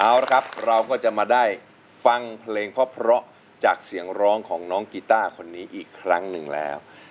เอาละครับเราก็จะมาได้ฟังเพลงเพราะจากเสียงร้องของน้องกีต้าคนนี้อีกครั้งหนึ่งแล้ว